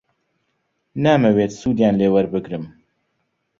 نامەوێت سوودیان لێ وەربگرم.